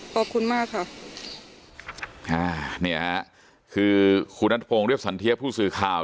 ขอบคุณมากค่ะอ่าเนี่ยฮะคือคุณนัทพงศ์เรียบสันเทียผู้สื่อข่าว